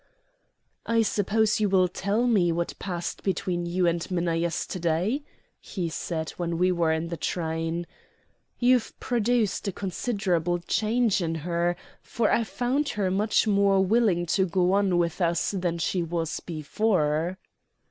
"I suppose you will tell me what passed between you and Minna yesterday," he said when we were in the train. "You've produced a considerable change in her, for I found her much more willing to go on with us than she was before."